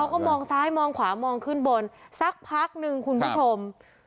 ก็มองซ้ายมองขวามองขึ้นบนสักพักนึงคุณผู้ชม